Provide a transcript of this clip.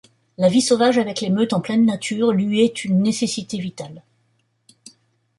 La vie sauvage avec les meutes en pleine nature lui est une nécessité vitale.